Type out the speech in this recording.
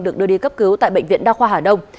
được đưa đi cấp cứu tại bệnh viện đa khoa hà đông